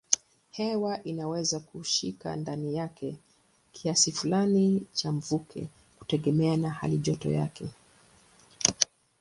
Hewa inaweza kushika ndani yake kiasi fulani cha mvuke kutegemeana na halijoto yake.